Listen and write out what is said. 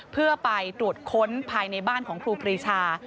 เพื่อไปตรวจค้นภายในบ้านของครูปรีชา